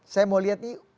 saya mau lihat nih